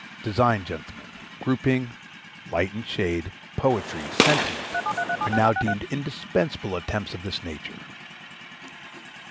Design, gentlemen, grouping, light and shade, poetry, sentiment, are now deemed indispensable to attempts of this nature.